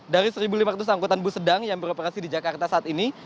dari satu lima ratus angkutan bus sedang yang beroperasi di jakarta saat ini